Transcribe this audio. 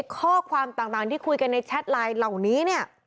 ข้อความต่างที่คุยกันในแชทไลน์เหล่านี้เนี่ย